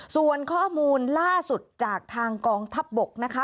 ส่วนข้อมูลล่าสุดจากทางกองทัพบกนะคะ